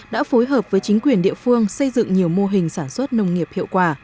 đã phối hợp với chính quyền địa phương xây dựng nhiều mô hình sản xuất nông nghiệp hiệu quả